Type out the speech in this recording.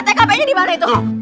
tkp nya dimana itu